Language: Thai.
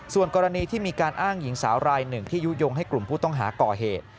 ส่วนกรณีที่มีการอ้างหญิงสาวรายหนึ่งที่ยุโยงให้กลุ่มผู้ต้องหาก่อเหตุ